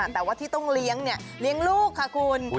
แต่ว่าที่ต้องเลี้ยงเลี้ยงลูกค่ะคุณ